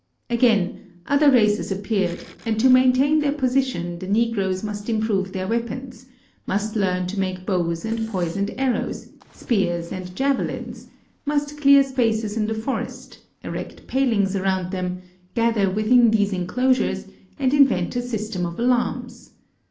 Again, other races appeared, and to maintain their position the negroes must improve their weapons, must learn to make bows and poisoned arrows, spears and javelins, must clear spaces in the forest, erect palings around them, gather within these enclosures, and invent a system of alarms.